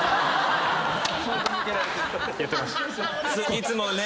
いつもね